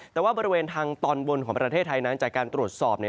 แต่ว่าบริเวณทางตอนบนของประเทศไทยนั้นจากการตรวจสอบ